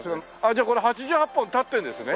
じゃあこれ８８本立ってるんですね？